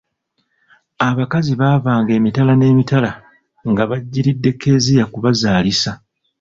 Abakazi baavanga emitala n'emitala nga bajjiridde Kezia kubazaalisa.